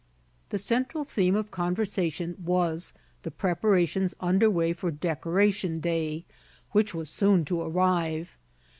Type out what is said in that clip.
The central theme of conversation was the preparations under way for Decoration Day, which was soon to arrive.